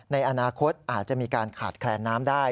ในอนาคตอาจจะมีการขาดแคลนน้ำได้